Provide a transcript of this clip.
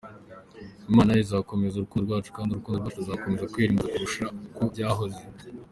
Imana izakomeza urukundo rwacu kandi urugo rwacu ruzakomeza kwera imbuto kurusha uko byahoze.